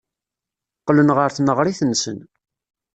Qqlen ɣer tneɣrit-nsen.